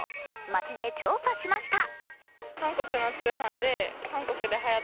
街で調査しました。